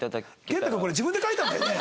元太君これ自分で書いたんだよね？